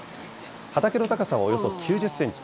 畑の高さはおよそ９０センチ。